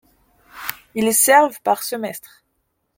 Il servent par semestre.